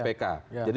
jadi bukan hasilnya